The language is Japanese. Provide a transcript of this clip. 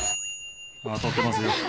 当たってますよ